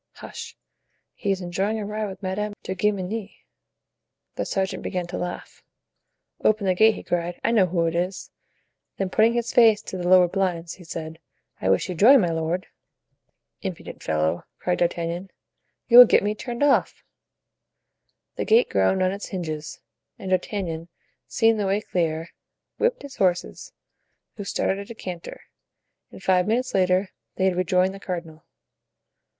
"Hush; he is enjoying a ride with Madame de Guemenee." The sergeant began to laugh. "Open the gate," he cried. "I know who it is!" Then putting his face to the lowered blinds, he said: "I wish you joy, my lord!" "Impudent fellow!" cried D'Artagnan, "you will get me turned off." The gate groaned on its hinges, and D'Artagnan, seeing the way clear, whipped his horses, who started at a canter, and five minutes later they had rejoined the cardinal.